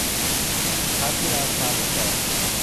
มหาธีรราชานุสรณ์